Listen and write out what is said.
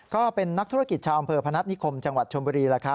ก็เป็นนักธุรกิจชาวอำเภอพนัฐนิคมจังหวัดชมบุรี